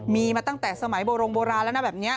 มีมาตั้งแต่สมัยโบรงโบราณแล้วนะแบบนี้